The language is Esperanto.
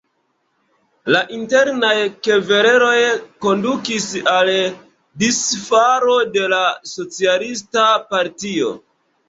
La internaj kvereloj kondukis al disfalo de la socialista partio.